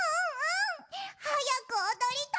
はやくおどりたい！